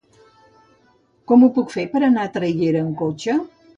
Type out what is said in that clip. Com ho puc fer per anar a Traiguera amb cotxe?